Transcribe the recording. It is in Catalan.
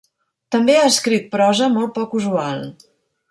També ha escrit prosa molt poc usual.